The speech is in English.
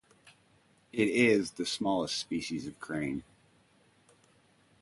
It is the smallest species of crane.